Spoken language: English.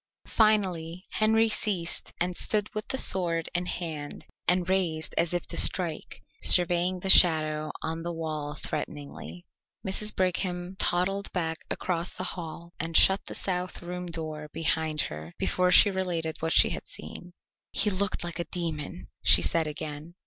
Finally Henry ceased and stood with the sword in hand and raised as if to strike, surveying the shadow on the wall threateningly. Mrs. Brigham toddled back across the hall and shut the south room door behind her before she related what she had seen. "He looked like a demon!" she said again.